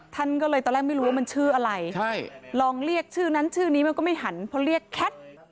ท่านก็เลยตอนแรกไม่รู้ว่ามันชื่ออะไรใช่ลองเรียกชื่อนั้นชื่อนี้มันก็ไม่หันเพราะเรียกแคท